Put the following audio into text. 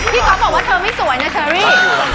ก๊อฟบอกว่าเธอไม่สวยนะเชอรี่